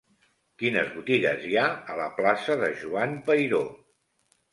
Quines botigues hi ha a la plaça de Joan Peiró?